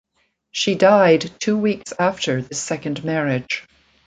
She died two weeks after this second marriage.